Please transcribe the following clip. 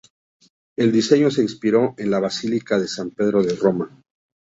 El diseño se inspiró en la Basílica de San Pedro de Roma.